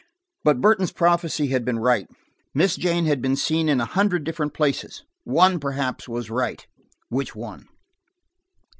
But Burton's prophecy had been right. Miss Jane had been seen in a hundred different places: one perhaps was right; which one